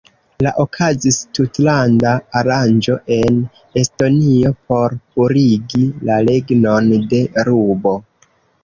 La okazis tutlanda aranĝo en Estonio por purigi la regnon de rubo.